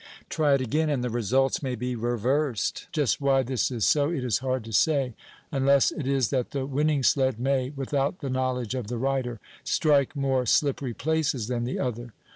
Try it again, and the results may be reversed. Just why this is so it is hard to say, unless it is that the winning sled may, without the knowledge of the rider, strike more slippery places than the other.